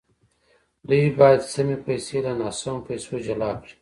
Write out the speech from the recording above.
دوی باید سمې پیسې له ناسمو پیسو جلا کړي